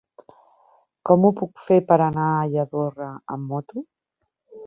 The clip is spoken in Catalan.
Com ho puc fer per anar a Lladorre amb moto?